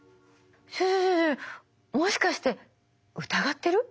ちょちょもしかして疑ってる？